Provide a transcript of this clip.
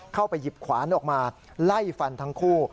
เข้าไปหยิบขวานออกมาไล่ฟันทั้งคู่